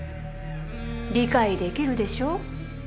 理解できるでしょう？